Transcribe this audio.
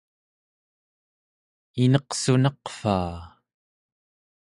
ineqsunaqvaa!